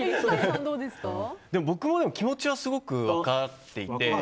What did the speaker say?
僕も気持ちはすごく分かっていて。